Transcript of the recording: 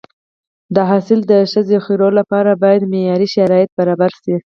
د حاصل د ښه ذخیرې لپاره باید معیاري شرایط برابر شي.